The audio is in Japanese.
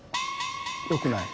よくない。